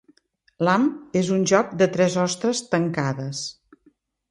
L'ham és un joc de tres ostres tancades.